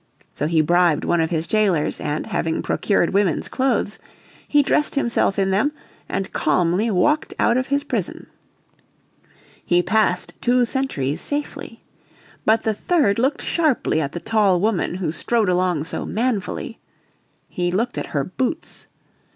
So he bribed one of his jailers, and, having procured woman's clothes, he dressed himself in them and calmly walked out of his prison. He passed two sentries safely. But the third looked sharply at the tall woman who strode along so manfully. He looked at her boots.